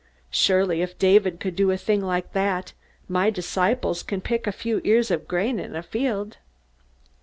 Surely if David could do a thing like that, my disciples can pick a few ears of grain in a field!